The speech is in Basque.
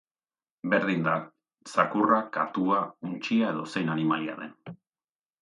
Berdin da zakurra, katua, untxia edo zein animalia den.